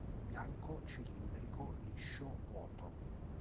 Bianco, cilindrico, liscio, vuoto.